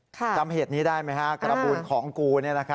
จำเหตุนี้ได้ไหมฮะการบูลของกู